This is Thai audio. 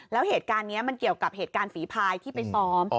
แล้วเหตุการณ์นี้มันเกี่ยวกับเหตุการณ์ฝีพายที่ไปซ้อม